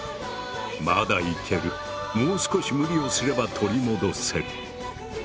まだいけるもう少し無理をすれば取り戻せる。